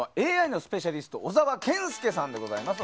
ＡＩのスペシャリスト小澤健祐さんです。